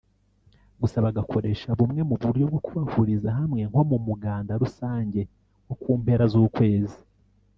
gusa bagakoresha bumwe mu buryo bwo kubahuriza hamwe nko mu muganda rusange wo mu mpera z’ukwezi